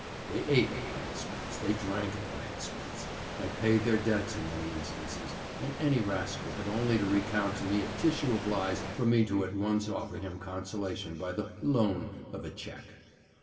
They ate at my expense, they drank at my expense; I paid their debts in many instances, and any rascal had only to recount to me a tissue of lies for me to at once offer him consolation by the 'loan' of a cheque.